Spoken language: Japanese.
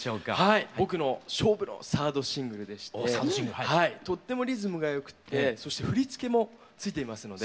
僕の勝負のサードシングルでしてとってもリズムがよくてそして振り付けも付いていますので。